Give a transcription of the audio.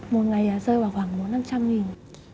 một ngày rơi vào khoảng bốn trăm linh năm trăm linh nghìn